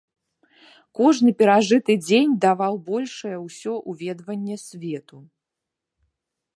Кожны перажыты дзень даваў большае ўсё ўведванне свету.